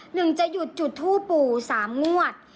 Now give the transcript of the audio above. หนึ่งจะหยุดจุดทูปปู่สามงวด